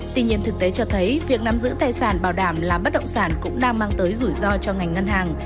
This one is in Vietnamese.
tuy nhiên thực tế cho thấy việc nắm giữ tài sản bảo đảm là bất động sản cũng đang mang tới rủi ro cho ngành ngân hàng